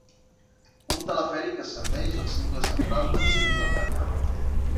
Un telefèric ascendeix al cingle central del cim del Penyal.